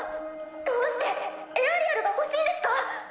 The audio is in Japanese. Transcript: どうしてエアリアルが欲しいんですか？